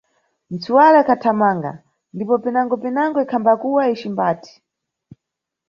Ntswala ikhathamanga ndipo, pinango-pinango ikhambakuwa icimbati.